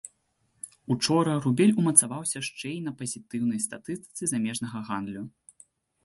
Учора рубель умацаваўся шчэ й на пазітыўнай статыстыцы замежнага гандлю.